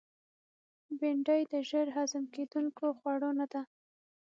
بېنډۍ د ژر هضم کېدونکو خوړو نه ده